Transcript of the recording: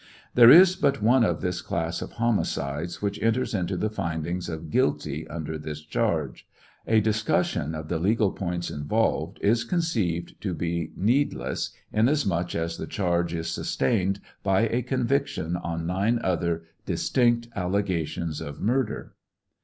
There is but one of this class of homicides which enters into the findings of "guilty," under this charge. A discussion of the legal points involved is con ceived to be needless, inasmuch as the charge is sustained by a conviction on nine other distinct allegations of murder.